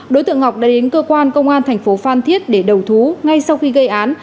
đối tượng ngọc đã đến cơ quan công an thành phố phan thiết để đầu thú ngay sau khi gây án